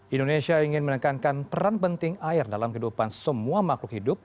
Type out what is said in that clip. indonesia ingin menekankan peran penting air dalam kehidupan semua makhluk hidup